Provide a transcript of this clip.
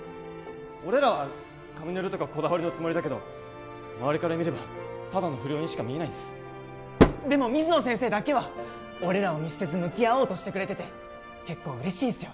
俺らは髪の色とかこだわりのつもりだけど周りから見ればただの不良にしか見えないんすでも水野先生だけは俺らを見捨てず向き合おうとしてくれて結構嬉しいんすよ